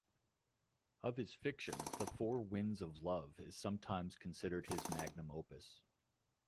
Of his fiction, "The Four Winds of Love" is sometimes considered his "magnum opus".